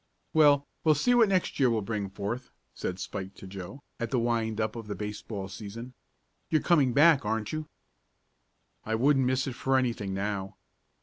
"Well, we'll see what next year will bring forth," said Spike to Joe, at the wind up of the baseball season. "You're coming back; aren't you?" "I wouldn't miss it for anything now.